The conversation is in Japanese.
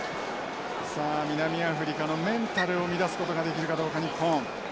さあ南アフリカのメンタルを乱すことができるかどうか日本。